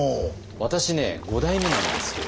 私ね五代目なんですけど。